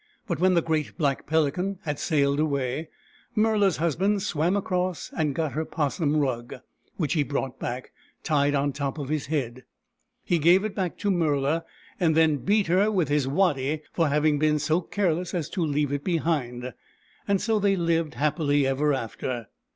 But when the great black Pelican had sailed away, Murla's husband swam across and got her 'possum rug, which he brought back, tied on top of his head. He gave it back to Murla, and then beat her with his waddy for having been so careless as to leave it behind. So they lived happily ever after.